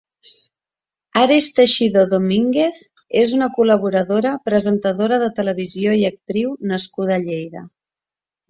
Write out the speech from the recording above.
Ares Teixidó Domínguez és una col·laboradora, presentadora de televisió i actriu nascuda a Lleida.